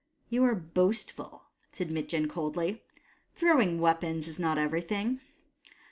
" You are boastful," said Mitjen coldly. " Throw ing weapons is not ever3rthng."